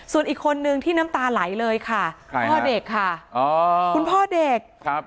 ส่วนอีกคนนึงที่น้ำตาไหลเลยค่ะคุณพอเด็กค่ะ